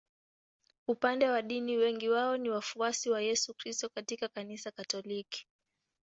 Upande wa dini wengi wao ni wafuasi wa Yesu Kristo katika Kanisa Katoliki.